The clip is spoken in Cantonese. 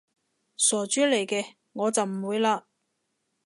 傻豬嚟嘅，我就唔會嘞